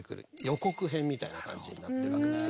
予告編みたいな感じになってるわけですよね。